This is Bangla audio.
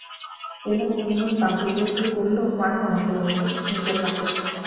এলা অতীনের পা জড়িয়ে ধরে বললে, মারো আমাকে অন্তু, নিজের হাতে।